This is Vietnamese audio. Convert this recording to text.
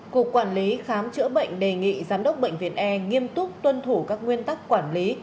cục quản lý khám chữa bệnh đề nghị giám đốc bệnh viện e nghiêm túc tuân thủ các nguyên tắc quản lý